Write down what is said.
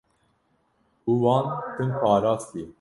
û wan tim parastiye.